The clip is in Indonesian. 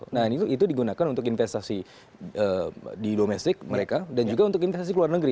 nah itu digunakan untuk investasi di domestik mereka dan juga untuk investasi ke luar negeri